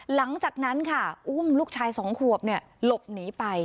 หลังจากนั้นค่ะอุ้มลูกชายสองขวบหลบหนีไป